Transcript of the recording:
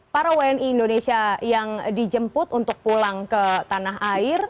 para wni indonesia yang dijemput untuk pulang ke tanah air